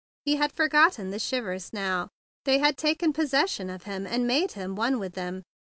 He had for¬ gotten the shivers now. They had taken possession of him, and made him one with them.